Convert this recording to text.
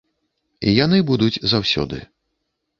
І яны будуць заўсёды.